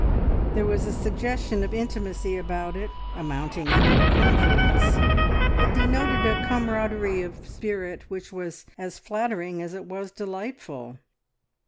There was a suggestion of intimacy about it, amounting even to confidence: it denoted a camaraderie of spirit which was as flattering as it was delightful.